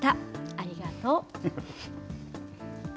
ありがとう。